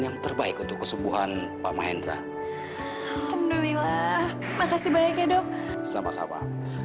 yang terbaik untuk kesembuhan pak mahendra alhamdulillah makasih banyak ya dok sama sama